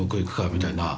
みたいな。